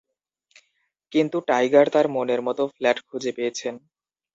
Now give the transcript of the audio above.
কিন্তু টাইগার তাঁর মনের মতো ফ্ল্যাট খুঁজে পেয়েছেন।